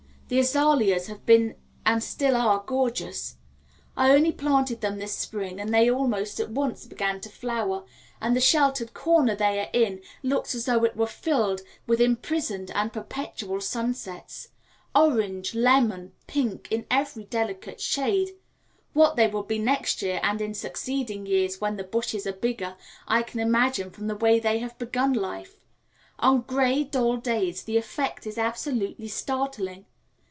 The azaleas have been and still are gorgeous; I only planted them this spring and they almost at once began to flower, and the sheltered corner they are in looks as though it were filled with imprisoned and perpetual sunsets. Orange, lemon, pink in every delicate shade what they will be next year and in succeeding years when the bushes are bigger, I can imagine from the way they have begun life. On gray, dull days the effect is absolutely startling.